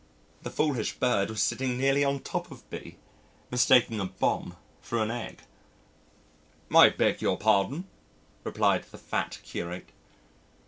The foolish bird was sitting nearly on top of B , mistaking a bomb for an egg. "I beg your pardon," replied the fat curate.